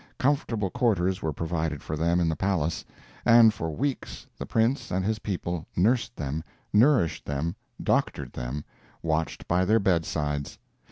Comfortable quarters were provided for them in the palace, and for weeks the Prince and his people nursed them, nourished them, doctored them, watched by their bed sides.